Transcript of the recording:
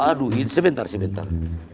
aduh sebentar sebentar